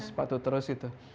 sepatu terus gitu